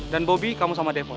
dan bobby kamu sama devon